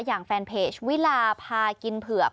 อย่างแฟนเพจวิลาพากินเผือก